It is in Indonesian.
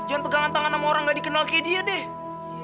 ken jangan pegangan tangan sama orang nggak dikenal kayak dia deh